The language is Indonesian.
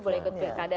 boleh ikut pilkada